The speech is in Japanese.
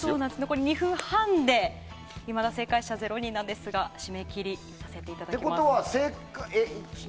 残り２分半でいまだ正解者０人なんですが締め切りさせていただきます。